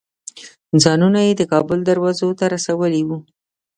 ځانونه یې د کابل دروازو ته رسولي وو.